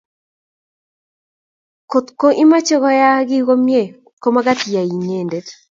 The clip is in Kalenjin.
kotko imache koyaak kiy komie ko magat iyai inendet